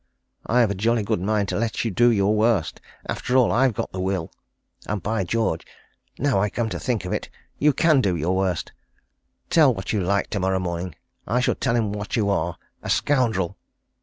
I've a jolly good mind to let you do your worst after all, I've got the will. And by george! now I come to think of it, you can do your worst! Tell what you like tomorrow morning. I shall tell 'em what you are a scoundrel."